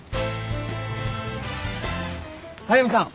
速見さん！